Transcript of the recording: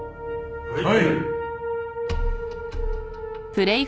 はい。